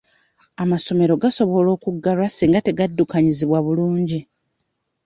Amasomero gasobola okuggalwa singa tegaddukanyizibwa bulungi.